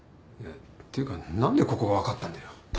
ていうか何でここが分かったんだよ？